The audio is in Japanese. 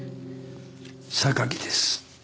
榊です。